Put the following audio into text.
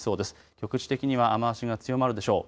局地的には雨足が強まるでしょう。